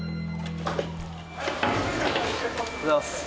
おはようございます。